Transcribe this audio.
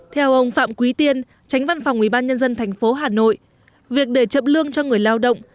theo ông phạm quý tiên tránh văn phòng ubnd tp hà nội việc để chậm lương cho người lao động